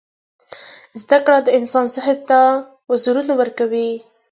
• زده کړه د انسان ذهن ته وزرونه ورکوي.